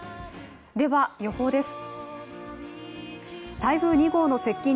では予報です。